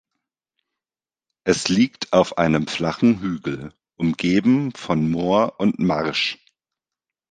Es liegt auf einem flachen Hügel, umgeben von Moor und Marsch.